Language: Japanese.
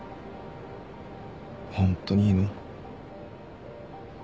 ホントにいいの？